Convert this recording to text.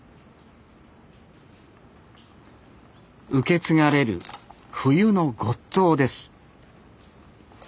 受け継がれる冬のごっつぉです